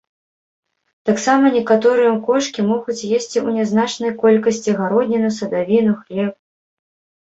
Таксама некаторыя кошкі могуць есці ў нязначнай колькасці гародніну, садавіну, хлеб.